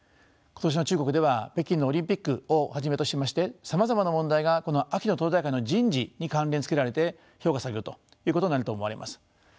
今年の中国では北京のオリンピックをはじめとしましてさまざまな問題がこの秋の党大会の人事に関連づけられて評価されるということになると思われます。